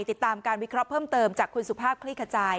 ติดตามการวิเคราะห์เพิ่มเติมจากคุณสุภาพคลี่ขจาย